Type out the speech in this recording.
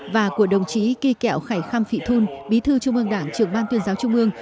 và của đồng chí kỳ kẹo khải khăm vị thun bí thư trung mương đảng trưởng ban tuyên giáo trung mương